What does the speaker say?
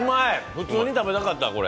普通に食べたかった、これ。